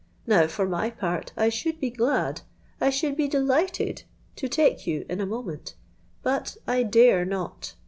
Now, for my part, I should be glad, I should be delighted to take you in a moment; but I dare not.